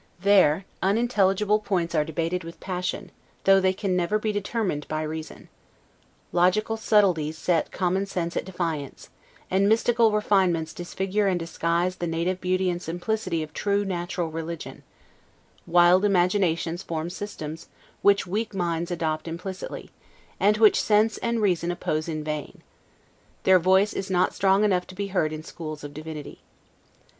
There unintelligible points are debated with passion, though they can never be determined by reason. Logical subtilties set common sense at defiance; and mystical refinements disfigure and disguise the native beauty and simplicity of true natural religion; wild imaginations form systems, which weak minds adopt implicitly, and which sense and reason oppose in vain; their voice is not strong enough to be heard in schools of divinity.